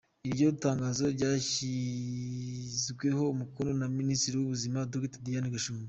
Iryo tangazo ryashyizweho umukono na Minisitiri w’ubuzima, Dr Diane Gashumba .